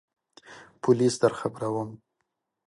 پولیس درخبروم !